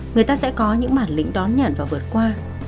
người ta sẽ có những bản lĩnh đón nhận và vượt qua